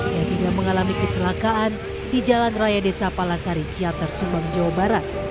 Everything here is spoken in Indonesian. yang juga mengalami kecelakaan di jalan raya desa palasari ciantar subang jawa barat